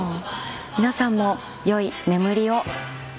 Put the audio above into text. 皆さんも良い眠りを。